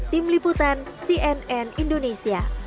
tim liputan cnn indonesia